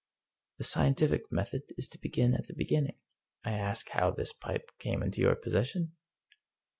The scien tific method is to begin at the beginning. May I ask how this pipe came into your possession?"